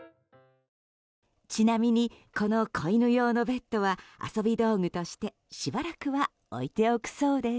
ちなみにこの子犬用のベッドは遊び道具としてしばらくは置いておくそうです。